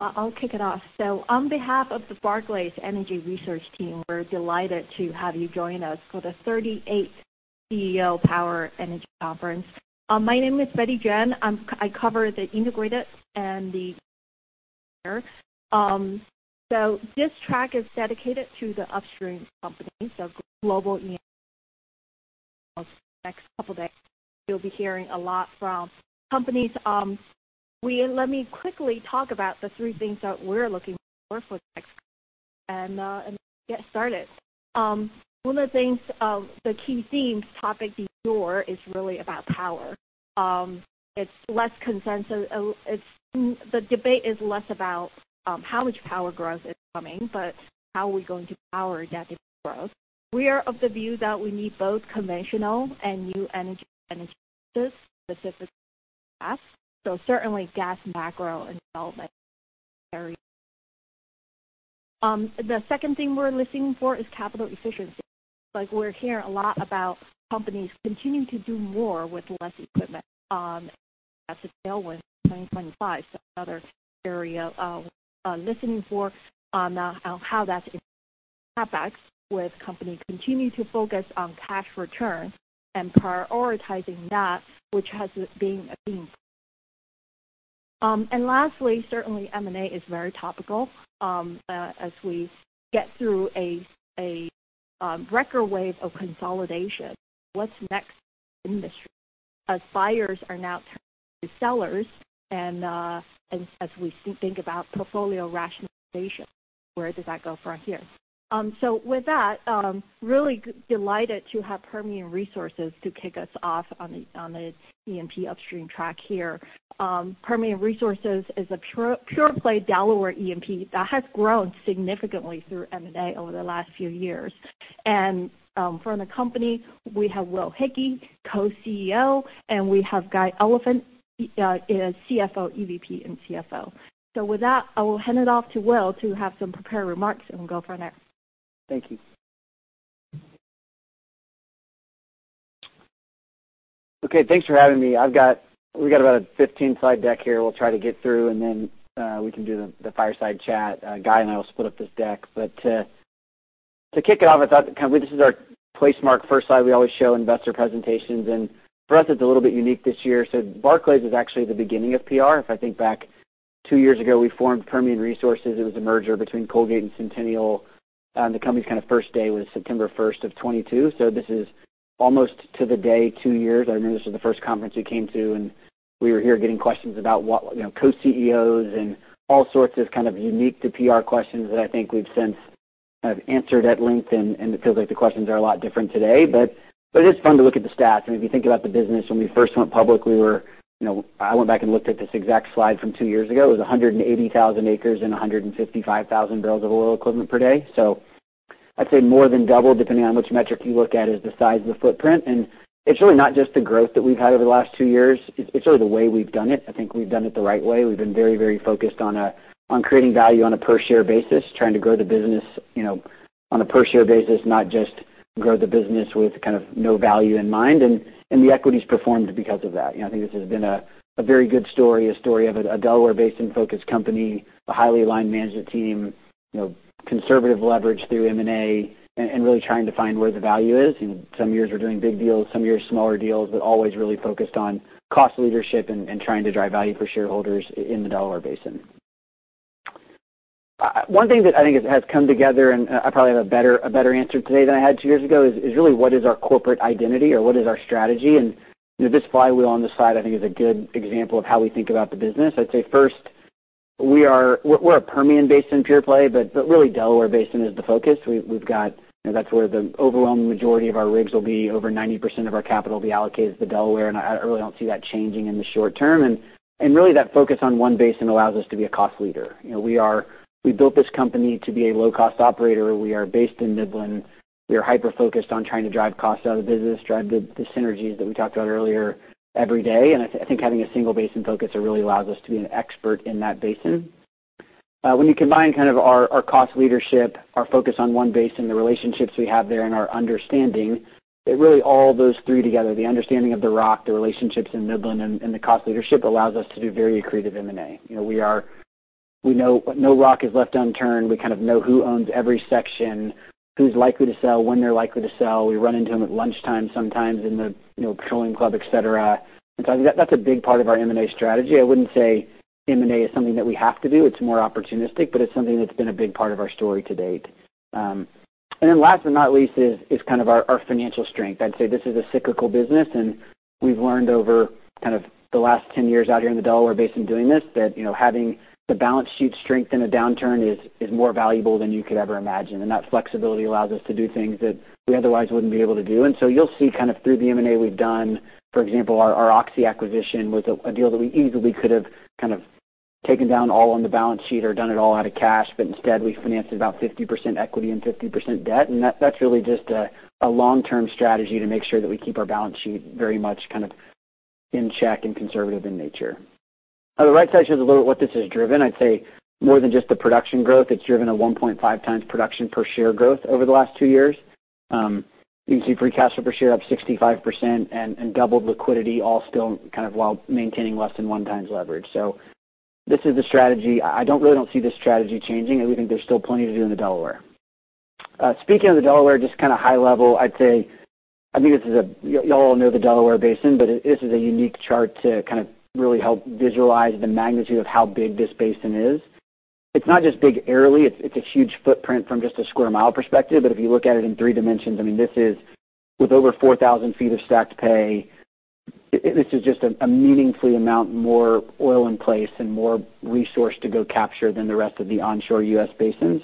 I'll kick it off. So on behalf of the Barclays Energy Research Team, we're delighted to have you join us for the thirty-eighth CEO Power Energy Conference. My name is Betty Jiang. I cover the integrated and the. So this track is dedicated to the upstream company, so global. Next couple of days, you'll be hearing a lot from companies. Let me quickly talk about the three things that we're looking for next, and get started. One of the things, the key themes, topic du jour, is really about power. It's less consensus. It's, the debate is less about how much power growth is coming, but how are we going to power that growth? We are of the view that we need both conventional and new energy, specifically gas. So certainly, gas, macro and development. The second thing we're listening for is capital efficiency. Like, we're hearing a lot about companies continuing to do more with less equipment, have to deal with 2025. So another area of listening for, on how that impacts, with companies continuing to focus on cash return and prioritizing that, which has been a theme. And lastly, certainly M&A is very topical. As we get through a record wave of consolidation, what's next industry? As buyers are now sellers and, and as we think about portfolio rationalization, where does that go from here? So with that, really delighted to have Permian Resources to kick us off on the E&P upstream track here. Permian Resources is a pure play Delaware E&P, that has grown significantly through M&A over the last few years. From the company, we have Will Hickey, Co-CEO, and we have Guy Oliphint, EVP and CFO. With that, I will hand it off to Will to have some prepared remarks, and we'll go from there. Thank you. Okay, thanks for having me. We've got about a fifteen-slide deck here we'll try to get through, and then we can do the fireside chat. Guy and I will split up this deck, but to kick it off, I thought, kind of, this is our placemat. First slide, we always show investor presentations, and for us, it's a little bit unique this year, so Barclays is actually the beginning of PR. If I think back, two years ago, we formed Permian Resources. It was a merger between Colgate and Centennial. The company's kind of first day was September first of 2022, so this is almost to the day, two years. I remember this was the first conference we came to, and we were here getting questions about what, you know, co-CEOs and all sorts of kind of unique to PR questions that I think we've since kind of answered at length, and, and it feels like the questions are a lot different today. But, but it is fun to look at the stats. And if you think about the business, when we first went public, we were, you know, I went back and looked at this exact slide from two years ago. It was 180,000 acres and 155,000 barrels of oil equivalent per day. So I'd say more than double, depending on which metric you look at, is the size of the footprint. It's really not just the growth that we've had over the last two years, it's really the way we've done it. I think we've done it the right way. We've been very, very focused on creating value on a per share basis, trying to grow the business, you know, on a per share basis, not just grow the business with kind of no value in mind, and the equity's performed because of that. You know, I think this has been a very good story, a story of a Delaware-based and focused company, a highly aligned management team, you know, conservative leverage through M&A, and really trying to find where the value is. Some years we're doing big deals, some years smaller deals, but always really focused on cost leadership and trying to drive value for shareholders in the Delaware Basin. One thing that I think has come together, and I probably have a better answer today than I had two years ago, is really what is our corporate identity or what is our strategy? You know, this flywheel on the side, I think, is a good example of how we think about the business. I'd say, first, we're a Permian Basin pure play, but really, Delaware Basin is the focus. We've got. You know, that's where the overwhelming majority of our rigs will be. Over 90% of our capital will be allocated to the Delaware, and I really don't see that changing in the short term. Really, that focus on one basin allows us to be a cost leader. You know, we built this company to be a low-cost operator. We are based in Midland. We are hyper-focused on trying to drive costs out of the business, drive the synergies that we talked about earlier every day, and I think having a single basin focus, it really allows us to be an expert in that basin. When you combine kind of our cost leadership, our focus on one basin, the relationships we have there and our understanding, it really all those three together, the understanding of the rock, the relationships in Midland and the cost leadership allows us to do very accretive M&A. You know, we know no rock is left unturned. We kind of know who owns every section, who's likely to sell, when they're likely to sell. We run into them at lunchtime, sometimes in the, you know, Petroleum Club, et cetera. And so that, that's a big part of our M&A strategy. I wouldn't say M&A is something that we have to do, it's more opportunistic, but it's something that's been a big part of our story to date. And then last but not least is kind of our financial strength. I'd say this is a cyclical business, and we've learned over kind of the last 10 years out here in the Delaware Basin doing this, that, you know, having the balance sheet strength in a downturn is more valuable than you could ever imagine. And that flexibility allows us to do things that we otherwise wouldn't be able to do. And so you'll see kind of through the M&A we've done, for example, our Oxy acquisition was a deal that we easily could have kind of taken down all on the balance sheet or done it all out of cash, but instead, we financed about 50% equity and 50% debt. And that, that's really just a long-term strategy to make sure that we keep our balance sheet very much kind of in check and conservative in nature. On the right side shows a little what this has driven. I'd say more than just the production growth, it's driven a one point five times production per share growth over the last two years... You can see free cash flow per share up 65% and doubled liquidity, all still kind of while maintaining less than one times leverage. So this is the strategy. I don't really see this strategy changing, and we think there's still plenty to do in the Delaware. Speaking of the Delaware, just kind of high level, I'd say, I think this is a y'all know the Delaware Basin, but this is a unique chart to kind of really help visualize the magnitude of how big this basin is. It's not just big aerially, it's a huge footprint from just a square mile perspective. But if you look at it in three dimensions, I mean, this is with over four thousand feet of stacked pay, this is just a meaningful amount, more oil in place and more resource to go capture than the rest of the onshore U.S. basins.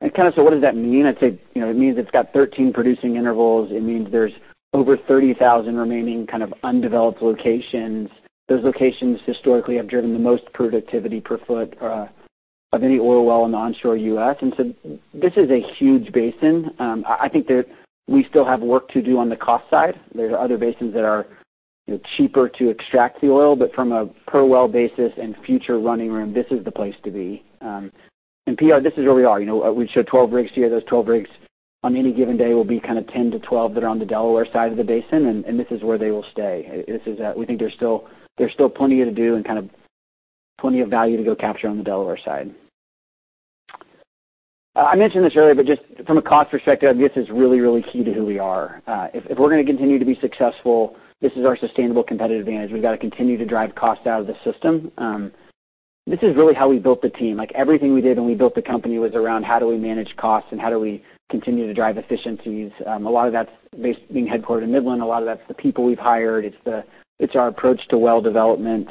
And kind of, so what does that mean? I'd say, you know, it means it's got thirteen producing intervals. It means there's over 30,000 remaining kind of undeveloped locations. Those locations historically have driven the most productivity per foot of any oil well in the onshore U.S. And so this is a huge basin. I think that we still have work to do on the cost side. There are other basins that are, you know, cheaper to extract the oil, but from a per well basis and future running room, this is the place to be. And PR, this is where we are. You know, we show 12 rigs here. Those 12 rigs, on any given day, will be kind of 10 to 12 that are on the Delaware side of the basin, and this is where they will stay. We think there's still plenty to do and kind of plenty of value to go capture on the Delaware side. I mentioned this earlier, but just from a cost perspective, this is really, really key to who we are. If we're gonna continue to be successful, this is our sustainable competitive advantage. We've got to continue to drive costs out of the system. This is really how we built the team. Like, everything we did when we built the company was around how do we manage costs and how do we continue to drive efficiencies. A lot of that's based being headquartered in Midland. A lot of that's the people we've hired. It's the. It's our approach to well development.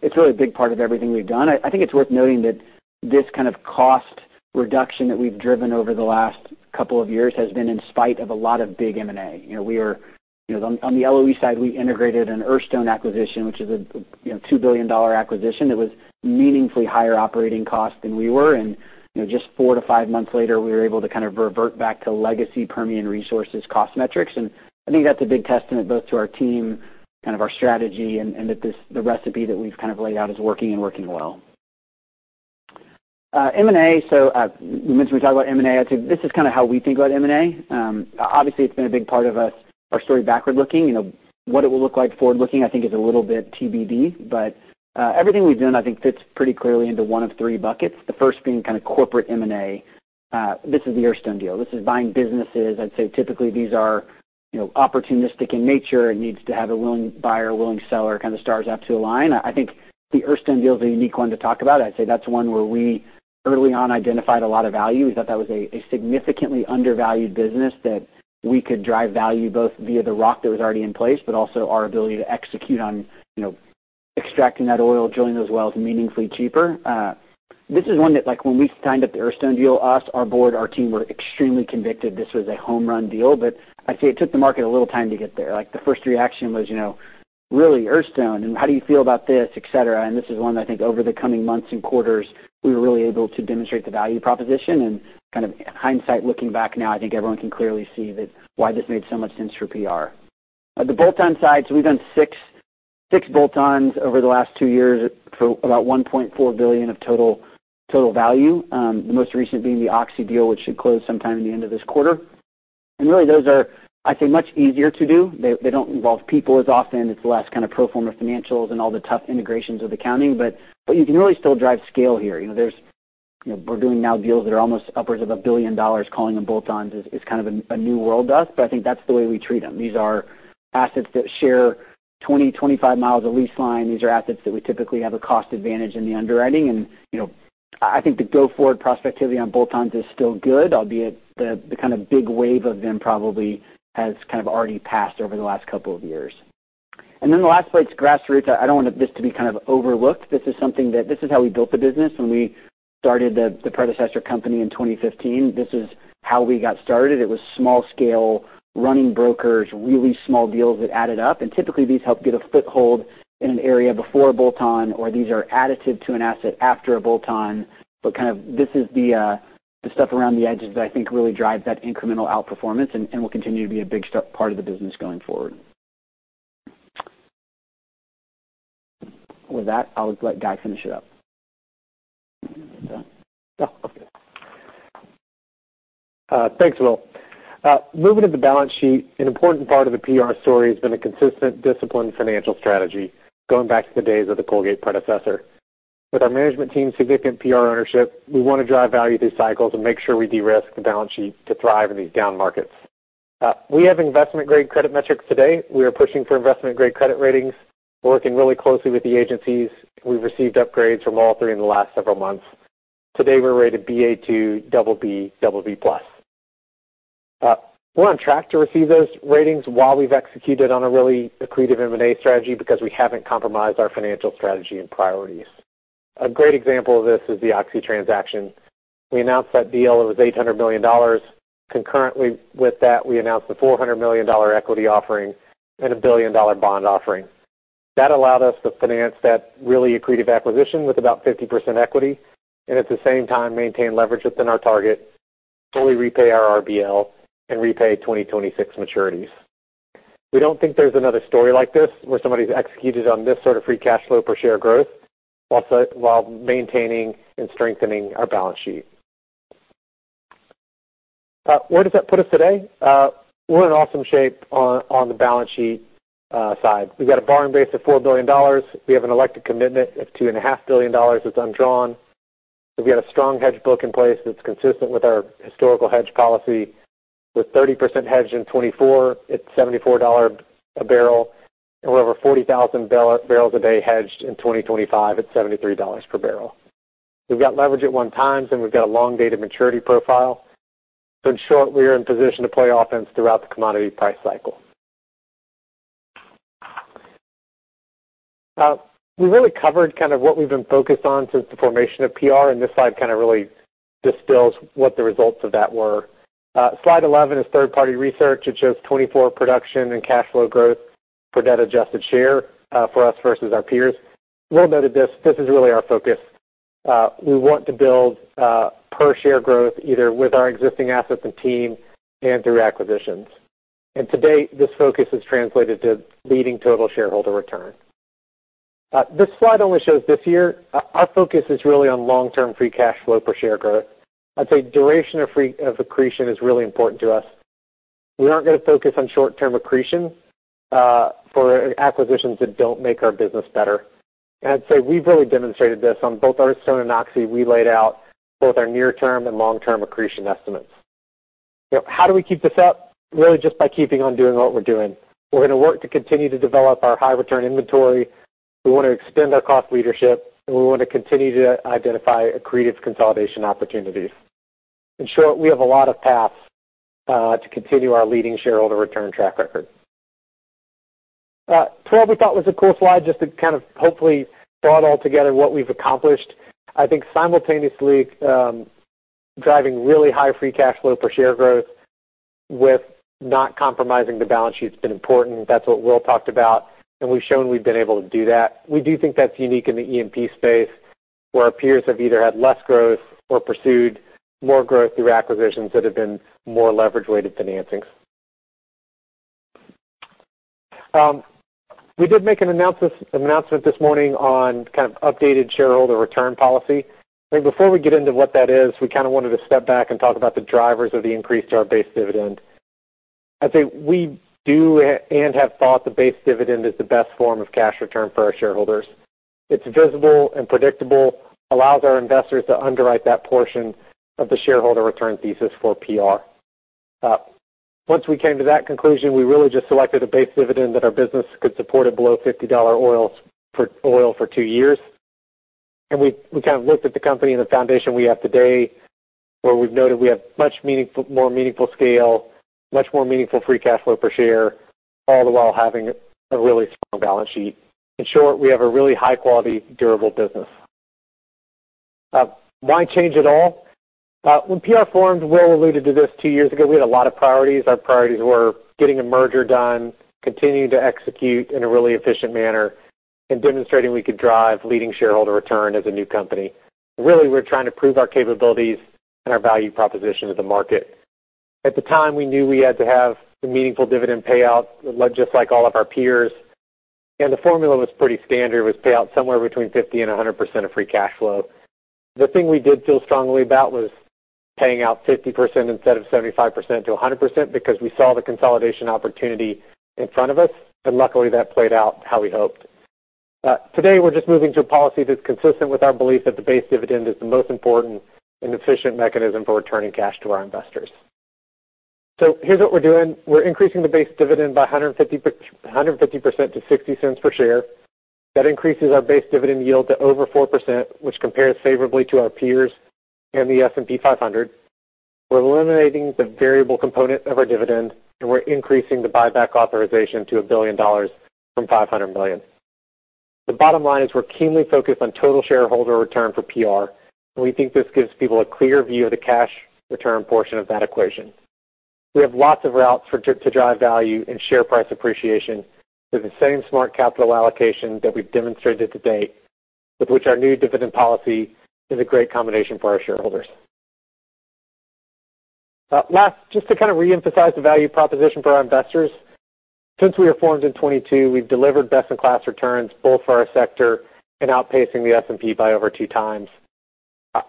It's really a big part of everything we've done. I think it's worth noting that this kind of cost reduction that we've driven over the last couple of years has been in spite of a lot of big M&A. You know, we are, you know, on the LOE side, we integrated an Earthstone acquisition, which is a, you know, $2 billion acquisition. It was meaningfully higher operating costs than we were. And, you know, just four to five months later, we were able to kind of revert back to legacy Permian Resources cost metrics. And I think that's a big testament both to our team, kind of our strategy, and that this, the recipe that we've kind of laid out is working and working well. M&A, so, we mentioned, we talk about M&A. I'd say this is kind of how we think about M&A. Obviously, it's been a big part of our story backward-looking. You know, what it will look like forward-looking, I think is a little bit TBD. But, everything we've done, I think fits pretty clearly into one of three buckets. The first being kind of corporate M&A. This is the Earthstone deal. This is buying businesses. I'd say typically these are, you know, opportunistic in nature and needs to have a willing buyer, a willing seller, kind of the stars have to align. I think the Earthstone deal is a unique one to talk about. I'd say that's one where we early on identified a lot of value. We thought that was a significantly undervalued business that we could drive value both via the rock that was already in place, but also our ability to execute on, you know, extracting that oil, drilling those wells meaningfully cheaper. This is one that, like, when we signed up the Earthstone deal, us, our board, our team, were extremely convinced this was a home run deal, but I'd say it took the market a little time to get there. Like, the first reaction was, you know, "Really, Earthstone? And how do you feel about this?" et cetera. And this is one I think over the coming months and quarters, we were really able to demonstrate the value proposition. And kind of hindsight, looking back now, I think everyone can clearly see that why this made so much sense for PR. The bolt-on side, so we've done six bolt-ons over the last two years for about $1.4 billion of total value. The most recent being the Oxy deal, which should close sometime in the end of this quarter. Really, those are, I'd say, much easier to do. They don't involve people as often. It's less kind of pro forma financials and all the tough integrations of accounting, but you can really still drive scale here. You know, there's, you know, we're doing now deals that are almost upwards of $1 billion. Calling them bolt-ons is kind of a new world to us, but I think that's the way we treat them. These are assets that share 20-25 miles of lease line. These are assets that we typically have a cost advantage in the underwriting. And, you know, I think the go-forward prospectivity on bolt-ons is still good, albeit the kind of big wave of them probably has kind of already passed over the last couple of years. Then the last slide is grassroots. I don't want this to be kind of overlooked. This is something that. This is how we built the business when we started the predecessor company in twenty fifteen. This is how we got started. It was small scale, running brokers, really small deals that added up. And typically, these help get a foothold in an area before a bolt-on, or these are additive to an asset after a bolt-on. But kind of this is the stuff around the edges that I think really drives that incremental outperformance and will continue to be a big part of the business going forward. With that, I'll let Guy finish it up. Thanks, Will. Moving to the balance sheet, an important part of the PR story has been a consistent, disciplined financial strategy, going back to the days of the Colgate predecessor. With our management team's significant PR ownership, we want to drive value through cycles and make sure we de-risk the balance sheet to thrive in these down markets. We have investment-grade credit metrics today. We are pushing for investment-grade credit ratings. We're working really closely with the agencies. We've received upgrades from all three in the last several months. Today, we're rated Ba2, BB, BB+. We're on track to receive those ratings while we've executed on a really accretive M&A strategy, because we haven't compromised our financial strategy and priorities. A great example of this is the Oxy transaction. We announced that deal. It was $800 million. Concurrently with that, we announced a $400 million equity offering and a $1 billion bond offering. That allowed us to finance that really accretive acquisition with about 50% equity, and at the same time, maintain leverage within our target, fully repay our RBL, and repay 2026 maturities. We don't think there's another story like this, where somebody's executed on this sort of free cash flow per share growth, also while maintaining and strengthening our balance sheet. Where does that put us today? We're in awesome shape on the balance sheet side. We've got a borrowing base of $4 billion. We have an elected commitment of $2.5 billion that's undrawn. So we've got a strong hedge book in place that's consistent with our historical hedge policy, with 30% hedged in 2024 at $74 a barrel, and we have over 40,000 barrels a day hedged in 2025 at $73 per barrel. We've got leverage at one times, and we've got a long date of maturity profile. So in short, we are in position to play offense throughout the commodity price cycle. We really covered kind of what we've been focused on since the formation of PR, and this slide kind of really distills what the results of that were. Slide 11 is third-party research. It shows 2024 production and cash flow growth for debt-adjusted share, for us versus our peers. Will noted this. This is really our focus. We want to build per share growth, either with our existing assets and team and through acquisitions. To date, this focus has translated to leading total shareholder return. This slide only shows this year. Our focus is really on long-term free cash flow per share growth. I'd say duration of accretion is really important to us. We aren't going to focus on short-term accretion for acquisitions that don't make our business better. I'd say we've really demonstrated this on both Earthstone and Oxy. We laid out both our near-term and long-term accretion estimates. How do we keep this up? Really just by keeping on doing what we're doing. We're going to work to continue to develop our high return inventory. We want to extend our cost leadership, and we want to continue to identify accretive consolidation opportunities. In short, we have a lot of paths to continue our leading shareholder return track record. 12, we thought was a cool slide, just to kind of hopefully brought all together what we've accomplished. I think simultaneously, driving really high free cash flow per share growth with not compromising the balance sheet has been important. That's what Will talked about, and we've shown we've been able to do that. We do think that's unique in the E&P space, where our peers have either had less growth or pursued more growth through acquisitions that have been more leverage-weighted financings. We did make an announcement this morning on kind of updated shareholder return policy. But before we get into what that is, we kind of wanted to step back and talk about the drivers of the increase to our base dividend. I'd say we do and have thought the base dividend is the best form of cash return for our shareholders. It's visible and predictable, allows our investors to underwrite that portion of the shareholder return thesis for PR. Once we came to that conclusion, we really just selected a base dividend that our business could support at below $50 oil for two years. And we kind of looked at the company and the foundation we have today, where we've noted we have much more meaningful scale, much more meaningful free cash flow per share, all the while having a really strong balance sheet. In short, we have a really high-quality, durable business. Why change at all? When PR formed, Will alluded to this two years ago, we had a lot of priorities. Our priorities were getting a merger done, continuing to execute in a really efficient manner, and demonstrating we could drive leading shareholder return as a new company. Really, we're trying to prove our capabilities and our value proposition to the market. At the time, we knew we had to have a meaningful dividend payout, just like all of our peers, and the formula was pretty standard, payout somewhere between 50% and 100% of free cash flow. The thing we did feel strongly about was paying out 50% instead of 75%-100%, because we saw the consolidation opportunity in front of us, and luckily, that played out how we hoped. Today, we're just moving to a policy that's consistent with our belief that the base dividend is the most important and efficient mechanism for returning cash to our investors. So here's what we're doing. We're increasing the base dividend by 150% to $0.60 per share. That increases our base dividend yield to over 4%, which compares favorably to our peers and the S&P 500. We're eliminating the variable component of our dividend, and we're increasing the buyback authorization to $1 billion from $500 million. The bottom line is we're keenly focused on total shareholder return for PR, and we think this gives people a clear view of the cash return portion of that equation. We have lots of routes to drive value and share price appreciation with the same smart capital allocation that we've demonstrated to date, with which our new dividend policy is a great combination for our shareholders. Last, just to kind of reemphasize the value proposition for our investors. Since we were formed in 2022, we've delivered best-in-class returns, both for our sector and outpacing the S&P by over two times.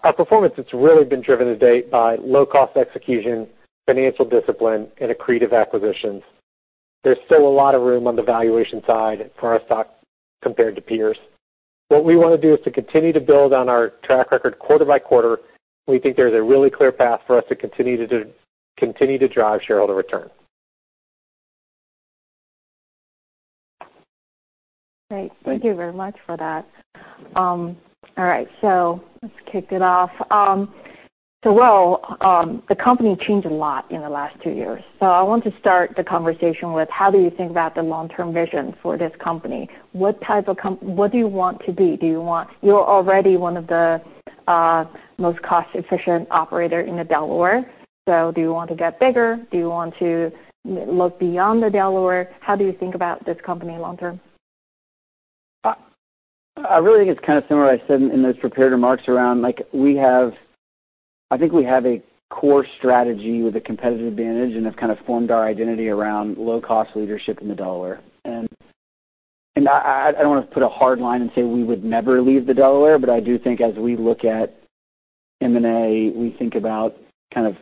Our performance has really been driven to date by low-cost execution, financial discipline, and accretive acquisitions. There's still a lot of room on the valuation side for our stock compared to peers. What we want to do is to continue to build on our track record quarter by quarter. We think there's a really clear path for us to continue to drive shareholder return. Great. Thank you very much for that. All right, so let's kick it off. So Will, the company changed a lot in the last two years, so I want to start the conversation with, how do you think about the long-term vision for this company? What do you want to be? You're already one of the most cost-efficient operator in the Delaware. So do you want to get bigger? Do you want to look beyond the Delaware? How do you think about this company long term?... I really think it's kind of similar to what I said in those prepared remarks around, like, we have a core strategy with a competitive advantage and have kind of formed our identity around low-cost leadership in the Delaware. And I don't want to put a hard line and say we would never leave the Delaware, but I do think as we look at M&A, we think about kind of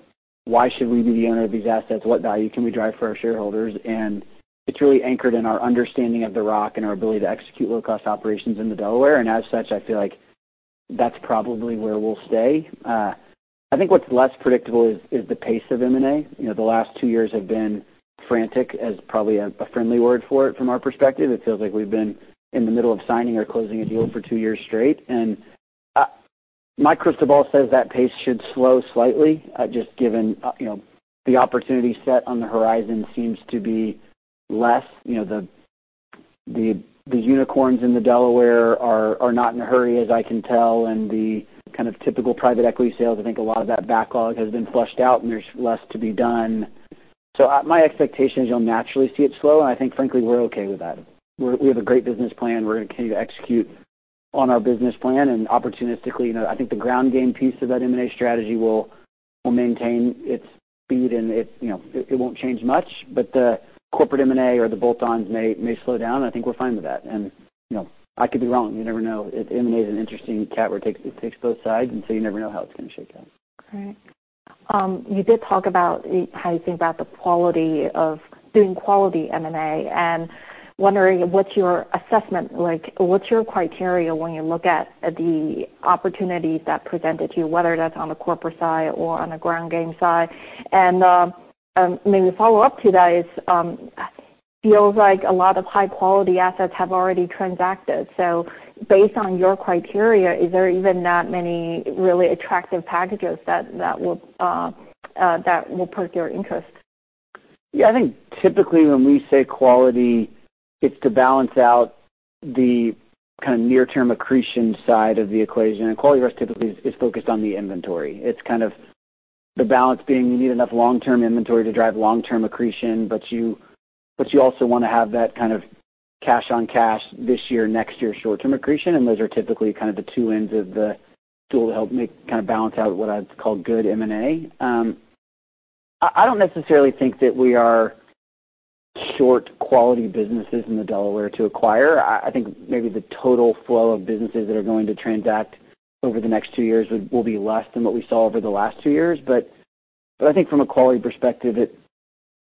why should we be the owner of these assets? What value can we drive for our shareholders? And it's really anchored in our understanding of the rock and our ability to execute low-cost operations in the Delaware. And as such, I feel like that's probably where we'll stay. I think what's less predictable is the pace of M&A. You know, the last two years have been frantic, as probably a friendly word for it from our perspective. It feels like we've been in the middle of signing or closing a deal for two years straight, and my crystal ball says that pace should slow slightly, just given you know, the opportunity set on the horizon seems to be less. You know, the unicorns in the Delaware are not in a hurry, as I can tell, and the kind of typical private equity sales, I think a lot of that backlog has been flushed out, and there's less to be done, so my expectation is you'll naturally see it slow, and I think, frankly, we're okay with that. We have a great business plan. We're gonna continue to execute on our business plan, and opportunistically, you know, I think the ground game piece of that M&A strategy will maintain its speed, and it, you know, it won't change much, but the corporate M&A or the bolt-ons may slow down, and I think we're fine with that, and you know, I could be wrong. You never know. M&A is an interesting cat where it takes both sides, and so you never know how it's gonna shake out. Great. You did talk about how you think about the quality of doing quality M&A, and wondering, what's your assessment like? What's your criteria when you look at the opportunities that presented to you, whether that's on the corporate side or on the ground game side? And, maybe a follow-up to that is, feels like a lot of high-quality assets have already transacted. So based on your criteria, is there even that many really attractive packages that will perk your interest? Yeah, I think typically when we say quality, it's to balance out the kind of near-term accretion side of the equation, and quality risk typically is focused on the inventory. It's kind of the balance being you need enough long-term inventory to drive long-term accretion, but you also wanna have that kind of cash-on-cash this year, next year, short-term accretion, and those are typically kind of the two ends of the tool to help make kind of balance out what I'd call good M&A. I don't necessarily think that we are short quality businesses in the Delaware to acquire. I think maybe the total flow of businesses that are going to transact over the next two years will be less than what we saw over the last two years. But I think from a quality perspective, it,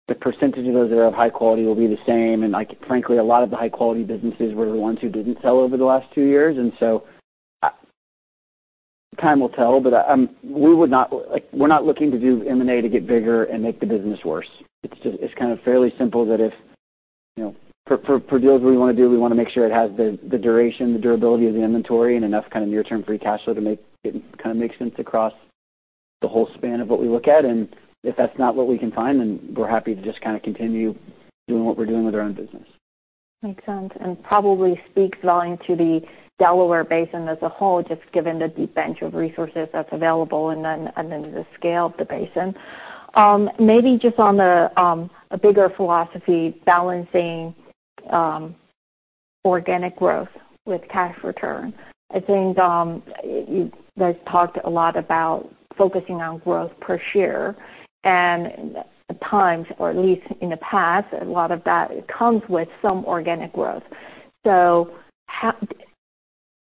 the percentage of those that are of high quality will be the same. And, like, frankly, a lot of the high-quality businesses were the ones who didn't sell over the last two years. And so time will tell, but we would not. Like, we're not looking to do M&A to get bigger and make the business worse. It's just, it's kind of fairly simple that if, you know, for deals we wanna do, we wanna make sure it has the duration, the durability of the inventory and enough kind of near-term free cash flow to make it kind of make sense across the whole span of what we look at. And if that's not what we can find, then we're happy to just kind of continue doing what we're doing with our own business. Makes sense, and probably speaks volumes to the Delaware Basin as a whole, just given the deep bench of resources that's available and then the scale of the basin. Maybe just on a bigger philosophy, balancing organic growth with cash return. I think you guys talked a lot about focusing on growth per share, and at times, or at least in the past, a lot of that comes with some organic growth. So how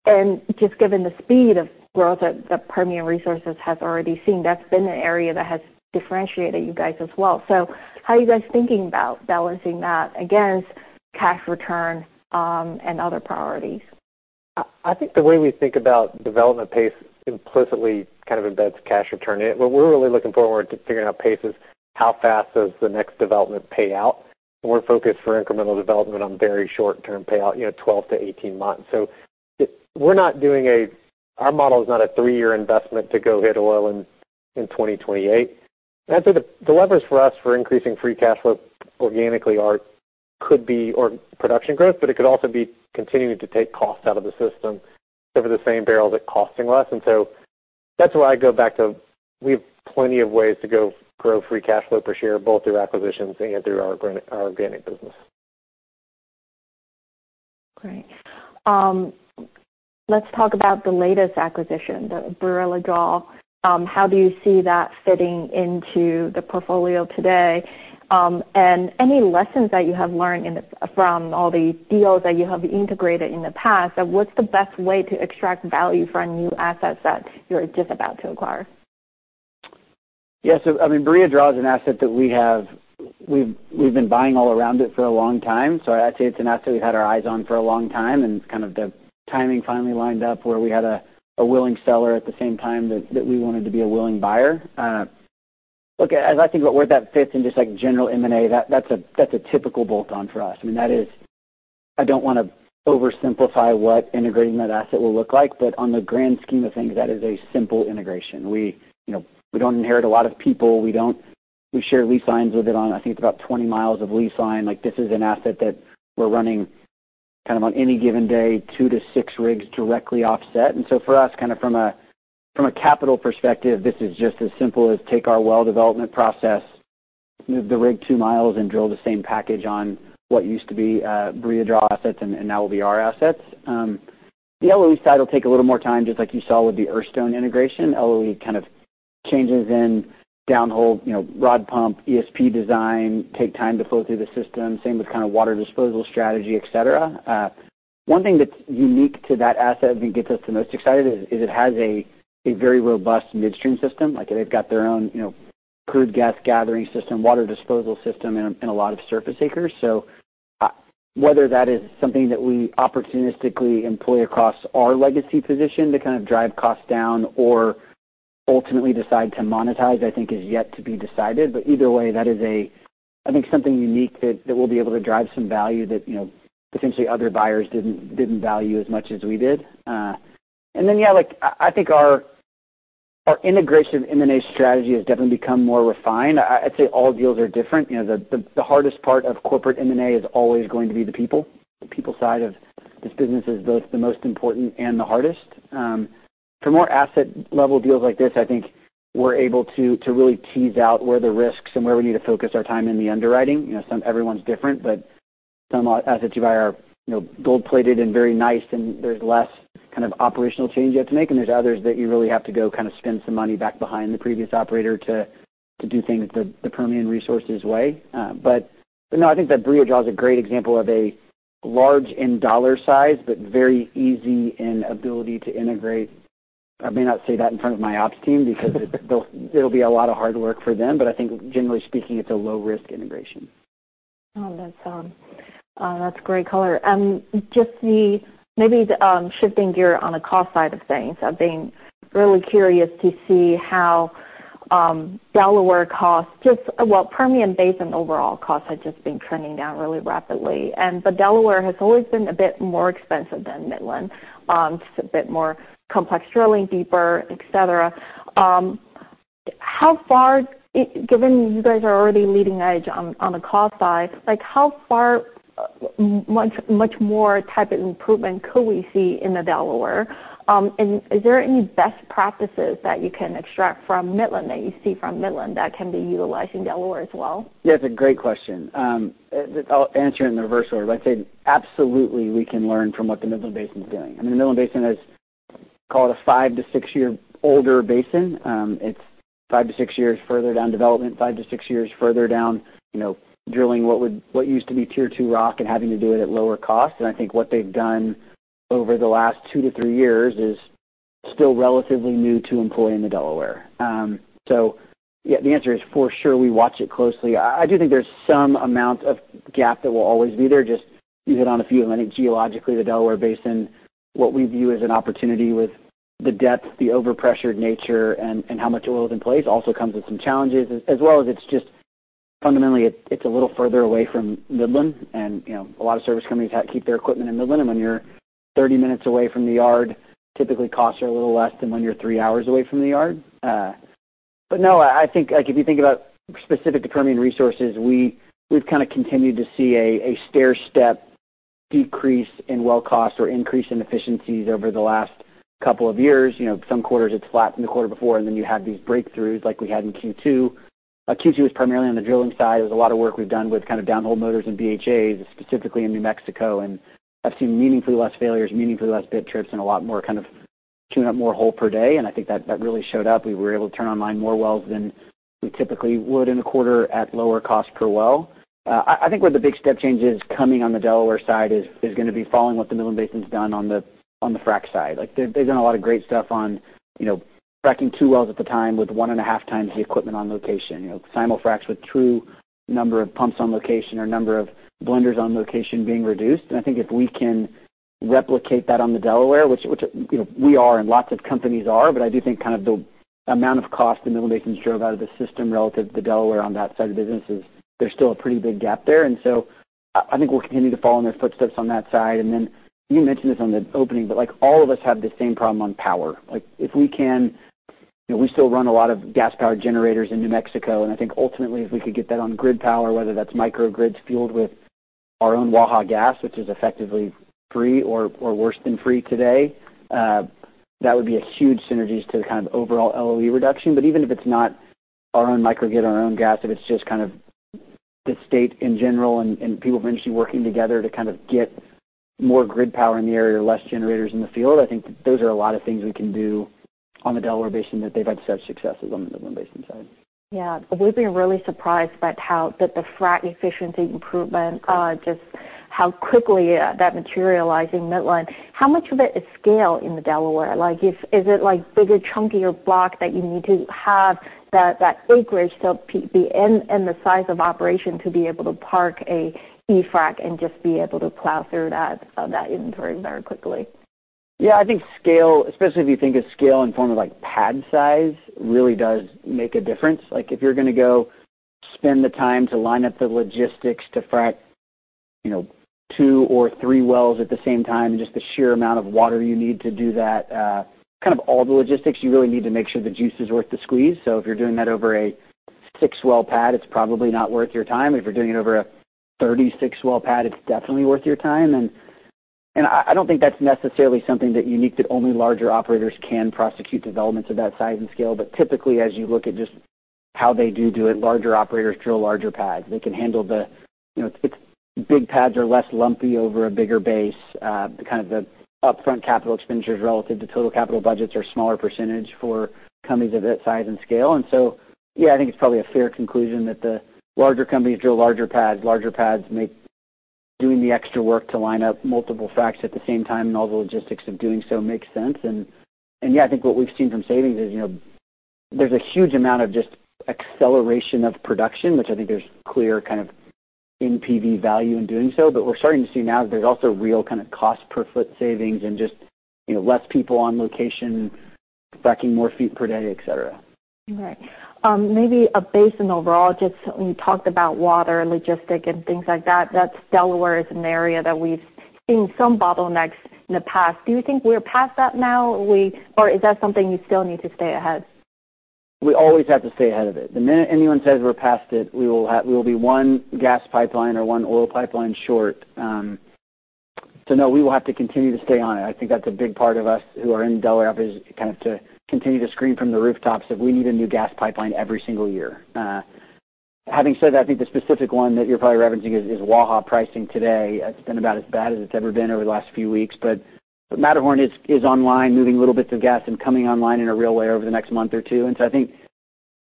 and just given the speed of growth that Permian Resources has already seen, that's been an area that has differentiated you guys as well. So how are you guys thinking about balancing that against cash return and other priorities? I, I think the way we think about development pace implicitly kind of embeds cash return in it. What we're really looking forward to figuring out pace is, how fast does the next development pay out? We're focused for incremental development on very short-term payout, you know, 12-18 months. Our model is not a three-year investment to go hit oil in, in 2028. I'd say the, the levers for us for increasing free cash flow organically are, could be production growth, but it could also be continuing to take costs out of the system so for the same barrels are costing less. And so that's why I go back to, we have plenty of ways to go grow free cash flow per share, both through acquisitions and through our organic business. Great. Let's talk about the latest acquisition, the Barilla Draw. How do you see that fitting into the portfolio today, and any lessons that you have learned from all the deals that you have integrated in the past, like, what's the best way to extract value from new assets that you're just about to acquire? Yeah, so I mean, Barilla Draw is an asset that we have. We've been buying all around it for a long time, so I'd say it's an asset we've had our eyes on for a long time, and kind of the timing finally lined up where we had a willing seller at the same time that we wanted to be a willing buyer. Look, as I think about where that fits in, just, like, general M&A, that's a typical bolt-on for us. I mean, that is. I don't wanna oversimplify what integrating that asset will look like, but on the grand scheme of things, that is a simple integration. We, you know, we don't inherit a lot of people. We don't. We share lease lines with it on, I think, about 20 miles of lease line. Like, this is an asset that we're running kind of on any given day, two to six rigs directly offset. And so for us, kind of from a capital perspective, this is just as simple as take our well development process, move the rig two miles and drill the same package on what used to be Barilla Draw assets, and now will be our assets. The LOE side will take a little more time, just like you saw with the Earthstone integration. LOE kind of changes in downhole, you know, rod pump, ESP design, take time to flow through the system. Same with kind of water disposal strategy, et cetera. One thing that's unique to that asset, and gets us the most excited is it has a very robust midstream system. Like, they've got their own, you know, crude gas gathering system, water disposal system, and a lot of surface acres. So, whether that is something that we opportunistically employ across our legacy position to kind of drive costs down or ultimately decide to monetize, I think is yet to be decided. But either way, that is a, I think, something unique that we'll be able to drive some value that, you know, potentially other buyers didn't value as much as we did. And then, yeah, like I think our integration M&A strategy has definitely become more refined. I'd say all deals are different. You know, the hardest part of corporate M&A is always going to be the people. The people side of this business is both the most important and the hardest. For more asset-level deals like this, I think we're able to really tease out where the risks and where we need to focus our time in the underwriting. You know, some everyone's different, but some assets you buy are, you know, gold-plated and very nice, and there's less kind of operational change you have to make. And there's others that you really have to go kind of spend some money back behind the previous operator to do things the Permian Resources way. But no, I think that Barilla Draw is a great example of a large in dollar size, but very easy in ability to integrate. I may not say that in front of my ops team, because it'll be a lot of hard work for them. But I think generally speaking, it's a low-risk integration. Oh, that's great color. Just shifting gear on the cost side of things, I've been really curious to see how Delaware costs just... Well, Permian Basin overall costs had just been trending down really rapidly, but Delaware has always been a bit more expensive than Midland, just a bit more complex, drilling deeper, et cetera. How far, given you guys are already leading edge on the cost side, like, how much more type of improvement could we see in the Delaware? And is there any best practices that you can extract from Midland that can be utilized in Delaware as well? Yeah, it's a great question. I'll answer it in the reverse order. I'd say absolutely, we can learn from what the Midland Basin is doing. I mean, the Midland Basin is called a five-to-six-year older basin. It's five to six years further down development, five to six years further down, you know, drilling what would—what used to be tier two rock and having to do it at lower cost. And I think what they've done over the last two-to-three years is still relatively new to employ in the Delaware. So yeah, the answer is, for sure, we watch it closely. I do think there's some amount of gap that will always be there, just even on a few. I think geologically, the Delaware Basin, what we view as an opportunity with the depth, the overpressured nature, and how much oil is in place, also comes with some challenges, as well. It's just fundamentally a little further away from Midland. And you know, a lot of service companies keep their equipment in Midland, and when you're thirty minutes away from the yard, typically, costs are a little less than when you're three hours away from the yard. But no, I think, like, if you think about specific to Permian Resources, we've kind of continued to see a stairstep decrease in well cost or increase in efficiencies over the last couple of years. You know, some quarters, it's flat from the quarter before, and then you have these breakthroughs like we had in Q2. Q2 was primarily on the drilling side. There was a lot of work we've done with kind of downhole motors and BHAs, specifically in New Mexico, and I've seen meaningfully less failures, meaningfully less bit trips, and a lot more kind of tuning up more hole per day, and I think that really showed up. We were able to turn online more wells than we typically would in a quarter at lower cost per well. I think where the big step change is coming on the Delaware side is gonna be following what the Midland Basin's done on the frack side. Like, they're, they've done a lot of great stuff on, you know, fracking two wells at the time with one and a half times the equipment on location. You know, simul-fracs with true number of pumps on location or number of blenders on location being reduced. And I think if we can replicate that on the Delaware, which, you know, we are and lots of companies are, but I do think kind of the amount of cost the Midland Basin drove out of the system relative to Delaware on that side of the business is, there's still a pretty big gap there. And so I think we'll continue to follow in their footsteps on that side. And then you mentioned this on the opening, but, like, all of us have the same problem on power. Like, if we can... You know, we still run a lot of gas-powered generators in New Mexico, and I think ultimately, if we could get that on grid power, whether that's microgrids fueled with our own Waha gas, which is effectively free or, or worse than free today, that would be a huge synergies to the kind of overall LOE reduction. But even if it's not our own microgrid, our own gas, if it's just kind of the state in general and, and people eventually working together to kind of get more grid power in the area or less generators in the field, I think those are a lot of things we can do on the Delaware Basin that they've had such success as on the Midland Basin side. Yeah. We've been really surprised by how the frac efficiency improvement just how quickly that materialized in Midland. How much of it is scale in the Delaware? Like, is it like bigger, chunkier block that you need to have that acreage to be in, and the size of operation to be able to park a E-frac and just be able to plow through that inventory very quickly? Yeah, I think scale, especially if you think of scale in form of, like, pad size, really does make a difference. Like, if you're gonna go spend the time to line up the logistics to frack, you know, two or three wells at the same time, and just the sheer amount of water you need to do that, kind of all the logistics, you really need to make sure the juice is worth the squeeze. So if you're doing that over a six-well pad, it's probably not worth your time. If you're doing it over a 36-well pad, it's definitely worth your time. And I don't think that's necessarily something that unique, that only larger operators can prosecute developments of that size and scale. But typically, as you look at just how they do it, larger operators drill larger pads. They can handle the, you know, the big pads are less lumpy over a bigger base. Kind of the upfront capital expenditures relative to total capital budgets are a smaller percentage for companies of that size and scale. And so, yeah, I think it's probably a fair conclusion that the larger companies drill larger pads. Larger pads make doing the extra work to line up multiple fracs at the same time, and all the logistics of doing so makes sense. And, and yeah, I think what we've seen from savings is, you know, there's a huge amount of just acceleration of production, which I think there's clear kind of NPV value in doing so. But we're starting to see now that there's also real kind of cost per foot savings and just, you know, less people on location, fracking more feet per day, et cetera. Right. Maybe a basin overall, just when you talked about water and logistics and things like that, that's Delaware, is an area that we've seen some bottlenecks in the past. Do you think we're past that now, or is that something you still need to stay ahead? We always have to stay ahead of it. The minute anyone says we're past it, we will be one gas pipeline or one oil pipeline short. So no, we will have to continue to stay on it. I think that's a big part of us, who are in Delaware, is kind of to continue to scream from the rooftops that we need a new gas pipeline every single year. Having said that, I think the specific one that you're probably referencing is Waha pricing today. It's been about as bad as it's ever been over the last few weeks. But Matterhorn is online, moving little bits of gas and coming online in a real way over the next month or two. And so I think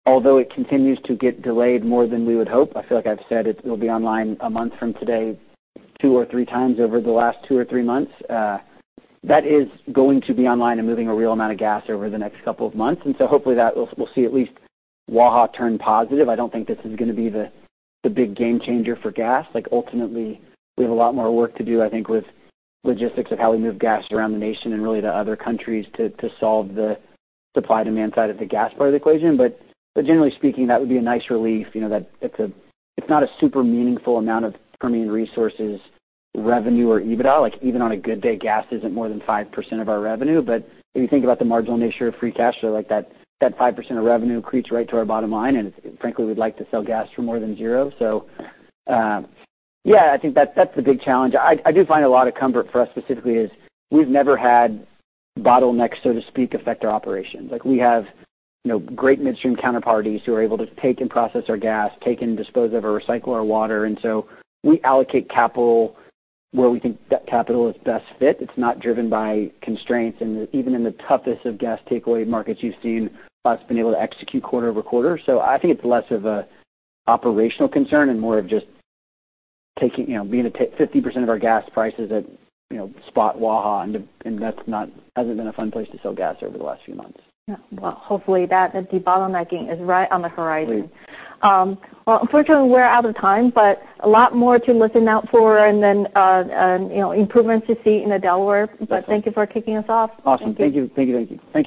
although it continues to get delayed more than we would hope, I feel like I've said it will be online a month from today, two or three times over the last two or three months. That is going to be online and moving a real amount of gas over the next couple of months. And so hopefully that we'll see at least Waha turn positive. I don't think this is gonna be the big game changer for gas. Like, ultimately, we have a lot more work to do, I think, with logistics of how we move gas around the nation and really to other countries, to solve the supply-demand side of the gas part of the equation. But generally speaking, that would be a nice relief, you know, that it's a. It's not a super meaningful amount of Permian Resources' revenue or EBITDA. Like, even on a good day, gas isn't more than 5% of our revenue. But if you think about the marginal nature of free cash flow, like that 5% of revenue creeps right to our bottom line, and frankly, we'd like to sell gas for more than zero. So, yeah, I think that's the big challenge. I do find a lot of comfort for us specifically, we've never had bottlenecks, so to speak, affect our operations. Like, we have, you know, great midstream counterparties who are able to take and process our gas, take and dispose of, or recycle our water. And so we allocate capital where we think that capital is best fit. It's not driven by constraints. Even in the toughest of gas takeaway markets, you've seen us being able to execute quarter over quarter. So I think it's less of an operational concern and more of just taking, you know, 50% of our gas prices at, you know, spot Waha, and that's not, hasn't been a fun place to sell gas over the last few months. Yeah. Well, hopefully that, the bottlenecking is right on the horizon. Great. Unfortunately, we're out of time, but a lot more to listen out for and then, you know, improvements to see in the Delaware. That's right. Thank you for kicking us off. Awesome. Thank you. Thank you. Thank you. Thank you.